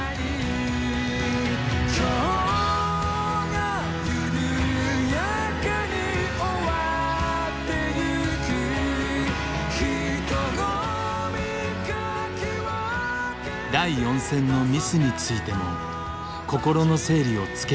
第４戦のミスについても心の整理をつけようとしていた。